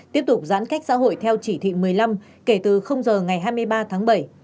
tiếp tục giãn cách xã hội theo chỉ thị một mươi năm kể từ giờ ngày hai mươi ba tháng bảy